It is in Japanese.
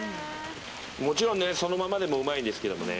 もちろんそのままでもうまいんですけどね。